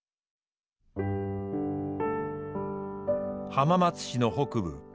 浜松市の北部。